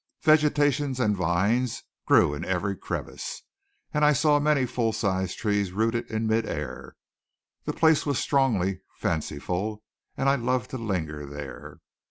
Vegetation and vines grew in every crevice; and I saw many full sized trees rooted in midair. The place was strongly fanciful; and I loved to linger there.